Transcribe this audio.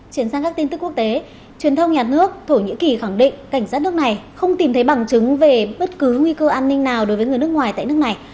chuyển sang các tin tức quốc tế truyền thông nhà nước thổ nhĩ kỳ khẳng định cảnh sát nước này không tìm thấy bằng chứng về bất cứ nguy cơ an ninh nào đối với người nước ngoài tại nước này